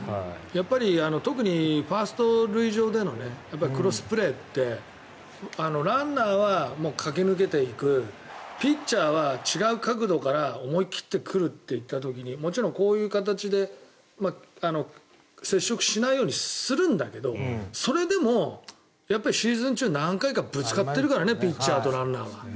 特にファースト塁上でのクロスプレーってランナーは駆け抜けていくピッチャーは違う角度から思い切って来るといった時にもちろんこういう形で接触しないようにするんだけどそれでもやっぱりシーズン中は何回かぶつかっているからねピッチャーとランナーは。